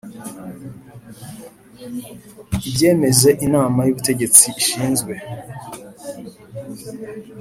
ibyemeze Inama y ubutegetsi ishinzwe